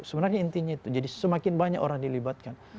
sebenarnya intinya itu jadi semakin banyak orang dilibatkan